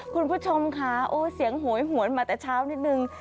คุณผู้ชมค่ะโอ้เสียงโหยหวนมาแต่เช้านิดนึง